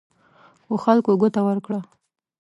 خو خلکو ګوته ورکړه.